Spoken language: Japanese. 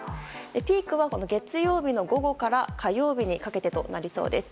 ピークは月曜日の午後から火曜日にかけてとなりそうです。